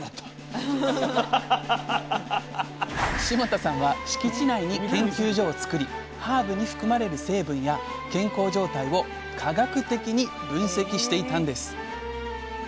霜多さんは敷地内に研究所を作りハーブに含まれる成分や健康状態を科学的に分析していたんです。